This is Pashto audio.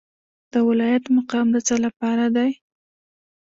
د ولایت مقام د څه لپاره دی؟